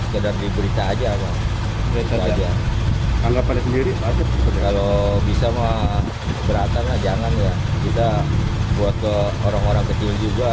kalau bisa mah keberatan jangan ya kita buat ke orang orang kecil juga